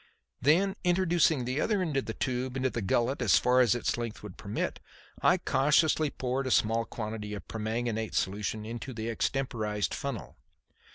Then, introducing the other end of the tube into the gullet as far as its length would permit, I cautiously poured a small quantity of the permanganate solution into the extemporized funnel.